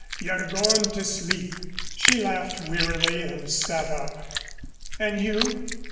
You are going to sleep." She laughed wearily and sat up. "And you?